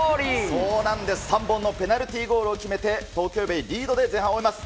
そうなんです、３本のペナルティーゴールを決めて、東京ベイリードで前半を終えます。